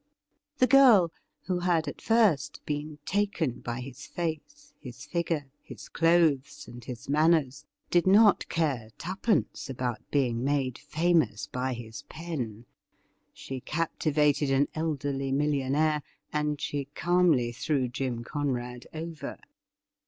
The girl, who had at first been taken by his face, his figure, his clothes, and his manners, did not care twopence about being made famous by his pen. She captivated an elderly millionaire, and she calmly threw Jim Conrad over.